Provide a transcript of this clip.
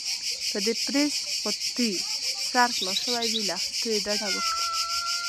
که د پرېس قوطي سر خلاص شوی وي، له اخيستلو يې ډډه وکړئ.